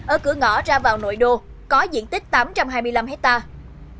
ở cửa ngõ ra vào nội đô có diện tích tám trăm hai mươi năm hectare